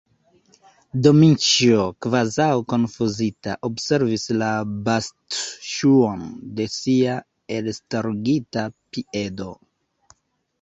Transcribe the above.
Dmiĉjo, kvazaŭ konfuzita, observis la bastŝuon de sia elstarigita piedo.